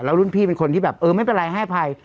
รุ่นพี่เป็นคนที่แบบเออไม่เป็นไรให้อภัย